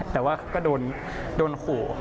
แต่ว่าก็โดนขู่